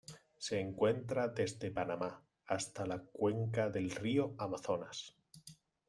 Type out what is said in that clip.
Se encuentra desde Panamá hasta la cuenca del río Amazonas.